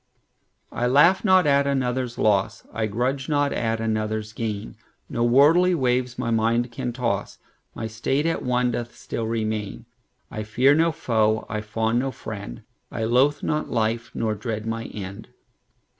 I laugh not at another's loss,I grudge not at another's gain; No worldly waves my mind can toss; My state at one doth still remain:I fear no foe, I fawn no friend;I loathe not life, nor dread my end.